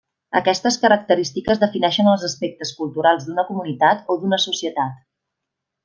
Aquestes característiques defineixen els aspectes culturals d'una comunitat o d'una societat.